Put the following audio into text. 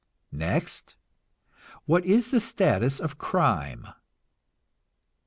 Next, what is the status of crime?